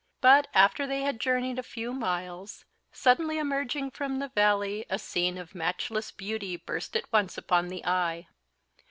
But, after they had journeyed a few miles, suddenly emerging from the valley, a scene of matchless beauty burst at once upon the eye.